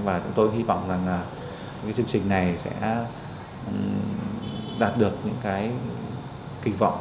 và chúng tôi hy vọng rằng là cái chương trình này sẽ đạt được những cái kỳ vọng